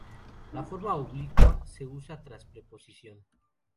La forma oblicua se usa tras preposición.